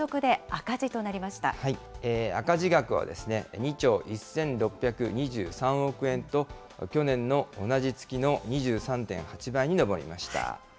赤字額は、２兆１６２３億円と、去年の同じ月の２３．８倍に上りました。